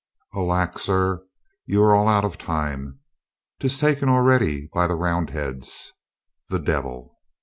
"Alack, sir, you are all out of time. 'Tis taken al ready by the Roundheads." "The devil!"